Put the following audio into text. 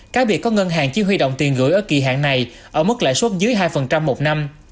cá biệt có ngân hàng chỉ huy động tiền gửi ở kỳ hạn này ở mức lãi suất dưới hai một năm